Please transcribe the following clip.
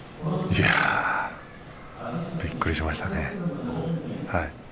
いやあびっくりしましたね。